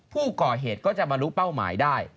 ผู้ก่อเหตุก็จะมารู้เป้าหมายได้